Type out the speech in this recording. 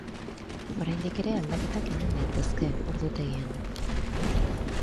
Oraindik ere aldaketak egon daitezke ordutegian.